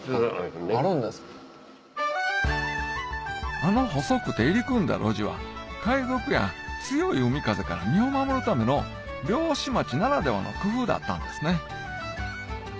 あの細くて入り組んだ路地は海賊や強い海風から身を守るための漁師町ならではの工夫だったんですね